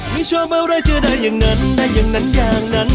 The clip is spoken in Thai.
ไม่ชอบอะไรเจอได้อย่างนั้นได้อย่างนั้นอย่างนั้น